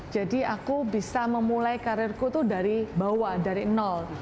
jadi aku bisa memulai karirku tuh dari bawah dari nol